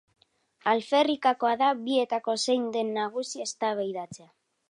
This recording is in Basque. Alferrikakoa da bietako zein den nagusi eztabaidatzea.